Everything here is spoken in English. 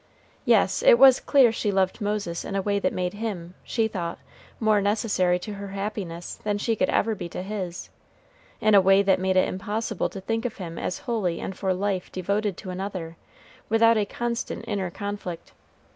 Yes, it was clear she loved Moses in a way that made him, she thought, more necessary to her happiness than she could ever be to his, in a way that made it impossible to think of him as wholly and for life devoted to another, without a constant inner conflict.